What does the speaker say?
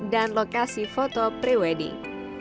dan lokasi foto pre wedding